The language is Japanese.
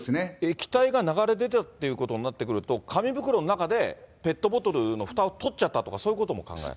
液体が流れ出たということになると、紙袋の中で、ペットボトルのふたを取っちゃったとか、そういうことも考えられる。